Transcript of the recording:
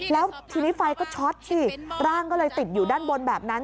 แล้วทีนี้ไฟก็ช็อตสิร่างก็เลยติดอยู่ด้านบนแบบนั้น